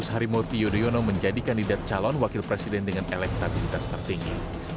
harimurti yudhoyono menjadi kandidat calon wakil presiden dengan elektabilitas tertinggi